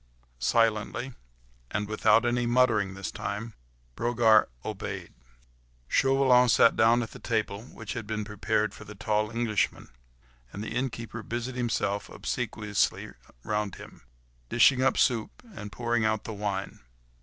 Silently, and without any muttering this time, Brogard obeyed. Chauvelin sat down at the table, which had been prepared for the tall Englishman, and the innkeeper busied himself obsequiously round him, dishing up the soup and pouring out the wine.